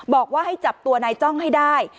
บอกว่าให้จับตัวนายจ้องให้ได้